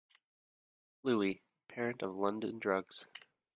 Louie, parent of London Drugs.